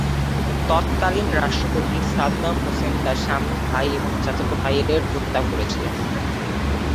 তৎকালীন রাষ্ট্রপতি Saddam Hussein তার স্বামী, ভাই এবং চাচাতো ভাইদের হত্যা করেছিলেন।